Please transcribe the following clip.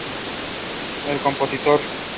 The open panelled roof is of stained pine.